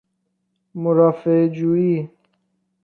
مرافعه جویی